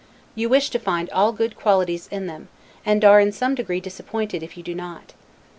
You wish to find all good qualities in them, and are in some degree disappointed if you do not.